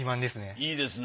いいですね。